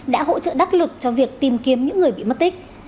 đã hỗ trợ đắc lực cho việc tìm kiếm những người bị mất tích